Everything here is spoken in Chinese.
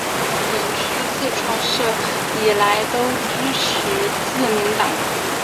本区自创设以来都支持自民党。